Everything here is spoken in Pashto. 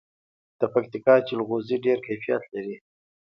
د پکتیکا جلغوزي ډیر کیفیت لري.